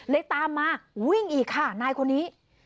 ตามมาวิ่งอีกค่ะนายคนนี้